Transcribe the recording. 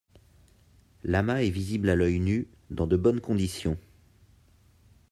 L'amas est visible à l'œil nu dans de bonnes conditions.